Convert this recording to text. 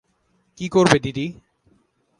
কী করবে দিদি?